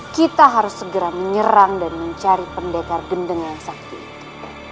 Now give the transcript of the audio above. kita harus segera menyerang dan mencari pendekar gendeng yang sakti itu